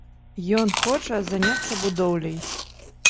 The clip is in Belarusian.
Ён хоча заняцца будоўляй.